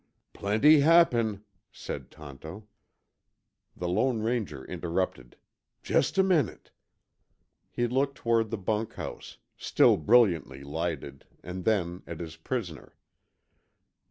"Plenty happen," said Tonto. The Lone Ranger interrupted, "Just a minute." He looked toward the bunkhouse, still brilliantly lighted, and then at his prisoner.